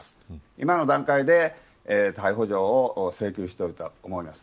今の段階で逮捕状を請求したいと思います。